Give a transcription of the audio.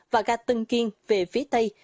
và ga tân kiên về phía tây